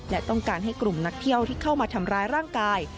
และต้องการให้กลุ่มนักเที่ยวที่เข้ามาทำร้ายร่างกาย